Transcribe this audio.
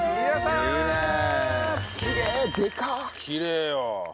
きれいよ。